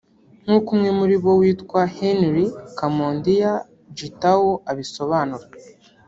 nk’uko umwe muri bo witwa Henry Kamondia Gitau abisobanura